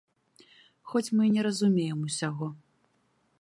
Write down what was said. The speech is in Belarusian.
Хоць мы і не разумеем усяго.